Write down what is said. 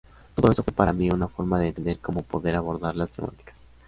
Todo eso fue para mí una forma de entender cómo poder abordar las temáticas.